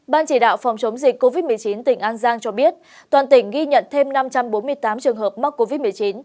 ban chỉ đạo phòng chống dịch covid một mươi chín tỉnh an giang cho biết toàn tỉnh ghi nhận thêm năm trăm bốn mươi tám trường hợp mắc covid một mươi chín